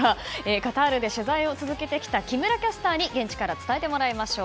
カタールで取材を続けてきた木村キャスターに現地から伝えてもらいましょう。